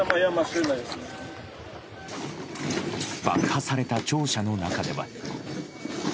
爆破された庁舎の中では。